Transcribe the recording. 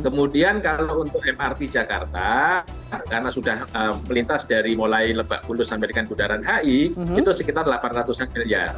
kemudian kalau untuk mrt jakarta karena sudah melintas dari mulai lebak bulus sampai dengan budaran hi itu sekitar delapan ratus an miliar